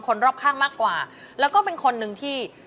รอบข้างมากกว่าแล้วก็เป็นคนนึงที่